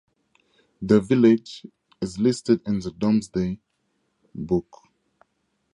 The village is listed in the Domesday Book.